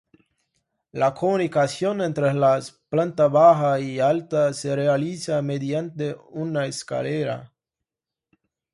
La comunicación entre las planta baja y alta se realiza mediante una escalera.